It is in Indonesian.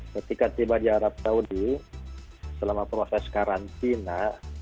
ketika tiba di arab saudi selama proses karantina